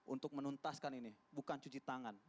untuk menuntaskan ini bukan cuci tangan